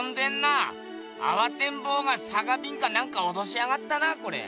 あわてんぼうがさかびんかなんかおとしやがったなこれ！